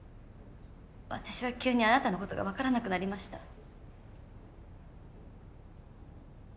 私は急にあなたのことが分からなくなりました。